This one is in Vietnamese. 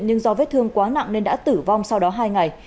nhưng do vết thương quá nặng nên đã tử vong sau đó hai ngày